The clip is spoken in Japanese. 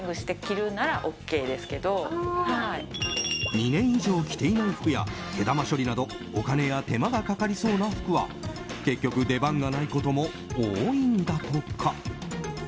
２年以上着ていない服や毛玉処理などお金や手間がかかりそうな服は結局、出番がないことも多いんだとか。